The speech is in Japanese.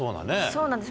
そうなんです